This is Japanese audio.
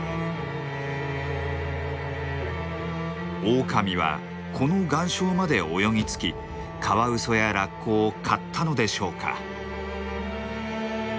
オオカミはこの岩礁まで泳ぎつきカワウソやラッコを狩ったのでしょうか？